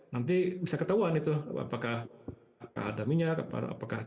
nanti bisa ketahuan itu apakah ada minyak atau apakah